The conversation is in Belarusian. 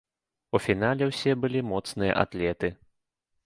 У фінале ўсе былі моцныя атлеты.